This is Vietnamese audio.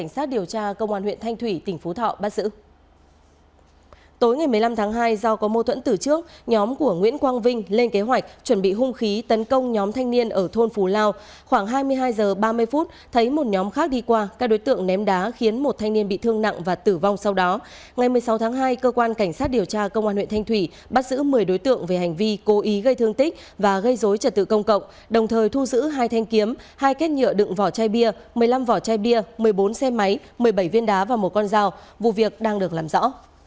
một mươi bốn xe máy một mươi bảy viên đá và một con rào vụ việc đang được làm rõ